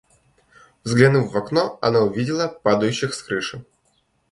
Взглянув в окно, она увидела падающих с крыши.